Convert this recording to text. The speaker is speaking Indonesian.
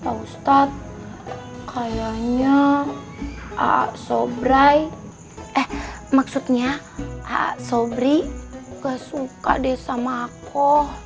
pak ustadz kayaknya aak sobry eh maksudnya aak sobry gak suka deh sama aku